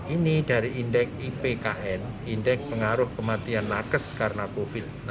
ini dari indeks ipkn indeks pengaruh kematian nakes karena covid sembilan belas